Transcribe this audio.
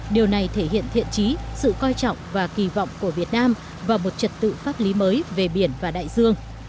điều này thể hiện thiện trí sự coi trọng và kỳ vọng của việt nam vào một trật tự pháp lý mới về biển và đại dương